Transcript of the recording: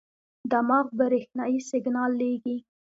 دماغ برېښنايي سیګنال لېږي.